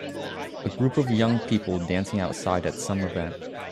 A group of young people dancing outside at some event